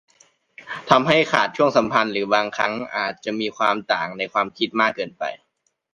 ทำให้ขาดช่วงสัมพันธ์หรือบางครั้งอาจจะมีความต่างในความคิดมากเกินไป